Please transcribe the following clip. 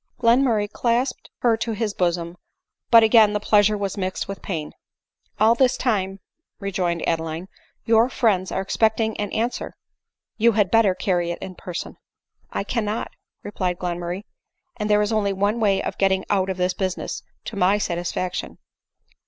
Glenmurray clasped her to his bosom ; but again the pleasure was mixed with pain. " All this time," rejoined Adeline, " your friends are expecting an answer ; you had better carry it in person." " I cannot," replied Glenmurray, " and there is only one way of getting out of this business to my satisfaction.".